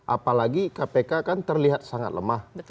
apalagi kpk kan terlihat sangat lemah